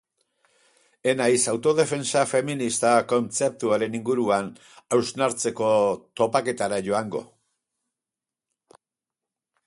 Ez naiz autodefentsa feminista kontzeptuaren inguruan hausnartzeko topaketara joango.